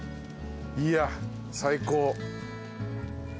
いや最高。